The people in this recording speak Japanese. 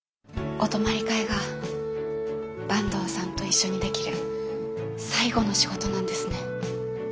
お泊まり会が坂東さんと一緒にできる最後の仕事なんですね。